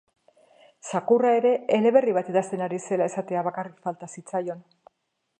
Zakurra ere eleberri bat idazten ari zela esatea bakarrik falta zitzaion.